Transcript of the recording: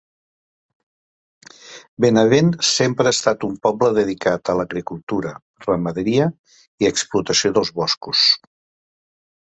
Benavent sempre ha estat un poble dedicat a l'agricultura, ramaderia i explotació dels boscos.